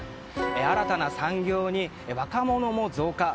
新たな産業に若者も増加。